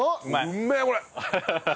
うめえこれ！